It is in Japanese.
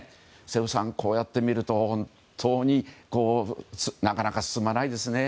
瀬尾さん、こうやってみると本当になかなか進まないですね。